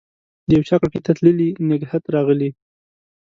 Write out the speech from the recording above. د یوچا کړکۍ ته تللي نګهت راغلی